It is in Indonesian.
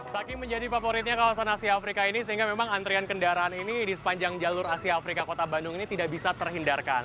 saking menjadi favoritnya kawasan asia afrika ini sehingga memang antrian kendaraan ini di sepanjang jalur asia afrika kota bandung ini tidak bisa terhindarkan